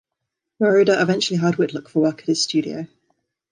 Moroder eventually hired Whitlock for work at his studio.